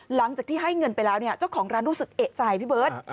หลังจากที่ให้เงินไปแล้วเนี่ยเจ้าของร้านรู้สึกเอกใจพี่เบิร์ต